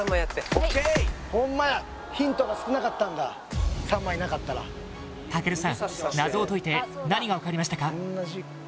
ホンマやヒントが少なかったんだ３枚なかったら健さん謎を解いて何が分かりましたか？